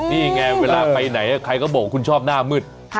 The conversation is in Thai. นี่ไงเวลาไปไหนใครก็บอกคุณชอบหน้ามืด